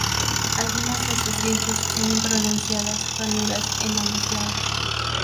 Algunos de sus dientes tienen pronunciadas ranuras en ambos lados.